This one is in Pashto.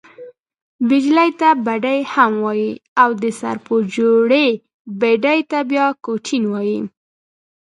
بیجلي ته بډۍ هم وايي او، د سرپو جوړي بډۍ ته بیا کوټین وايي.